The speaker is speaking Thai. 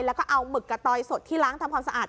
แล้วก็เอาหมึกกะตอยสดที่ล้างทำความสะอาด